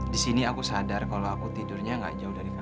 di sini aku sadar kalau aku tidurnya gak jauh dari kamar